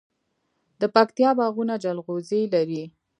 د پکتیکا باغونه جلغوزي لري.